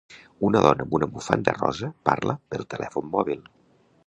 Una dona amb una bufanda rosa parla pel telèfon mòbil.